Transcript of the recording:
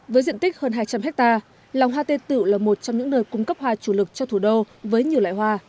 với diện tích hơn hai trăm linh hectare lòng hoa tây tựu là một trong những nơi cung cấp hoa chủ lực cho thủ đô với nhiều loại hoa